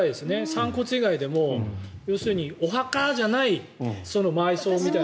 散骨以外でも、要するにお墓じゃない埋葬みたいな。